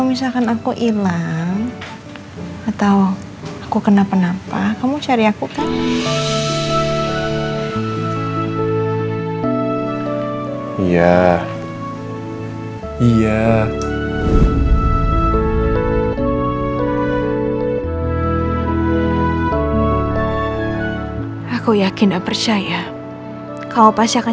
ini buah berserakan